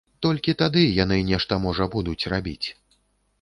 Толькі тады яны нешта можа будуць рабіць.